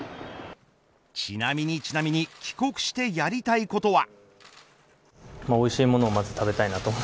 ちなみにちなみに帰国してやりたいことは。